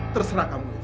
terserah kamu guys